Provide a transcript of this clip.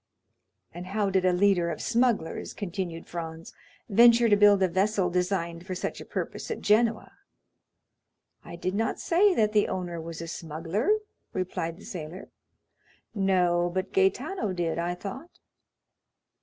"And how did a leader of smugglers," continued Franz, "venture to build a vessel designed for such a purpose at Genoa?" "I did not say that the owner was a smuggler," replied the sailor. "No; but Gaetano did, I thought."